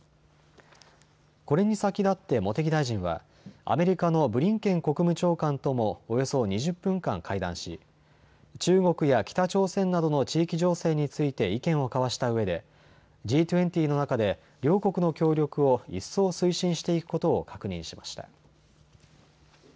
これに先立って茂木大臣はアメリカのブリンケン国務長官ともおよそ２０分間会談し中国や北朝鮮などの地域情勢について意見を交わしたうえでＧ２０の中で両国の協力を一層推進していくことを確認しました。